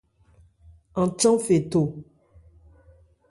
An chán fe tho.